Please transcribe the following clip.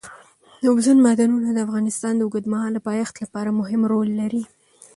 اوبزین معدنونه د افغانستان د اوږدمهاله پایښت لپاره مهم رول لري.